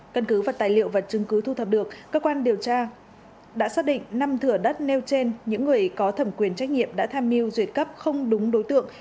cân cứ vật tài liệu và chứng cứ thu thập được cơ quan điều tra đã xác định năm thửa đất nêu trên những người có thẩm quyền trách nhiệm đã tham mưu duyệt cấp không đúng đối tượng